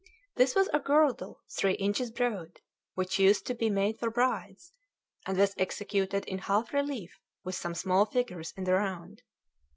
This was a girdle three inches broad, which used to be made for brides, and was executed in half relief with some small figures in the round.